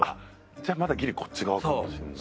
じゃあまだギリこっち側かもしれない。